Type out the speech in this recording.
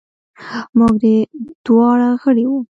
موږ دواړه غړي وو.